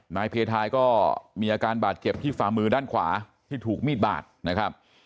นายเพทายก็มีอาการบาดเจ็บที่ฝ่ามือด้านขวาที่ถูกมีดบาดนะครับ